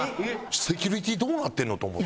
セキュリティーどうなってんのと思ってＲ−１。